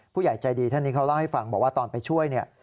ผู้ใหญ่ใจดีท่านนี้เขาเล่าให้ฟังบอกว่าตอนไปช่วยเนี่ย